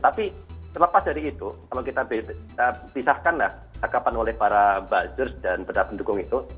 tapi lepas dari itu kalau kita pisahkan lah cakapan oleh para buzzers dan pendukung itu